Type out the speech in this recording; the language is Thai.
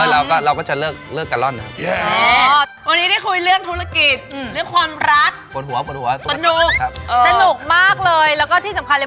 เราก็จะเลิกกะร่อนครับ